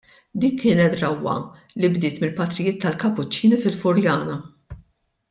Din kienet drawwa li bdiet mill-Patrijiet tal-Kapuċċini fil-Furjana.